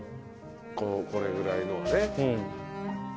これぐらいのはね。